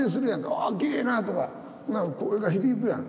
「ああきれいなあ」とか声が響くやん。